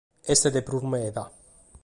Est de prus meda.